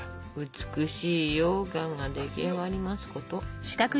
美しいようかんが出来上がりますこと。